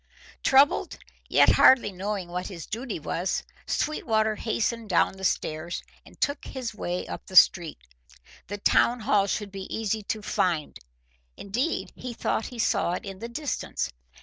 Troubled, yet hardly knowing what his duty was, Sweetwater hastened down the stairs, and took his way up the street. The town hall should be easy to find; indeed, he thought he saw it in the distance.